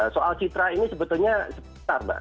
soal citra ini sebetulnya sebentar mbak